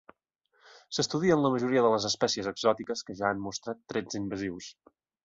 S'estudien la majoria de les espècies exòtiques que ja han mostrat trets invasius.